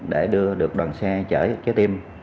để đưa được đoàn xe chở chế tim